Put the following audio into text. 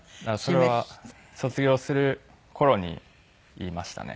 それは卒業する頃に言いましたね